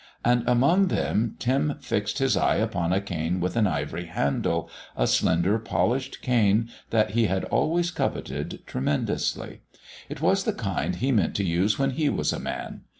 And, among them, Tim fixed his eye upon a cane with an ivory handle, a slender, polished cane that he had always coveted tremendously. It was the kind he meant to use when he was a man.